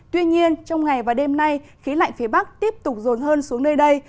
tuy nhiên trong ngày và đêm nay khí lạnh phía bắc tiếp tục rồn hơn xuống nơi đây